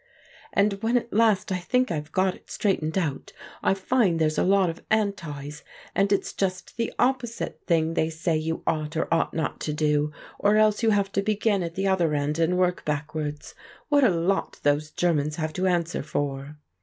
"And when at last I think I've got it straightened out, I find there's a lot of 'antis,' and it's just the opposite thing they say you ought or ought not to do; or else you have to begin at the other end and work backwards. What a lot those Germans have to answer for!"